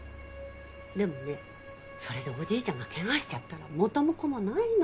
でもねそれでおじいちゃんがけがしちゃったら元も子もないの。